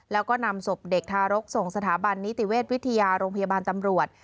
แล้วก็นำศพเด็กทารกส่งสถาบันนิติเวชวิทยาโรงพยาบาลตำรวจ